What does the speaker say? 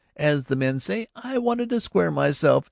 As the men say, I wanted to square myself.